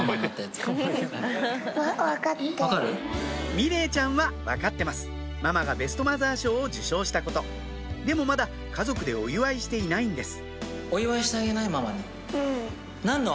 美玲ちゃんは分かってますママがベストマザー賞を受賞したことでもまだ家族でお祝いしていないんです